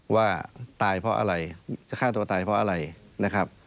ว่าตายเพราะอะไรจะฆ่าตัวตายเพราะอะไรนะครับ